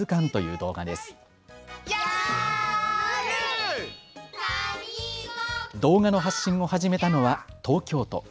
動画の発信を始めたのは東京都。